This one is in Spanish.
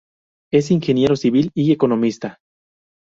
Es ingeniero civil y economista.